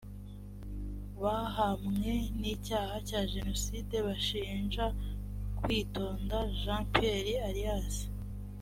bahamwe n icyaha cya jenoside bashinja kwitonda jean pierre alias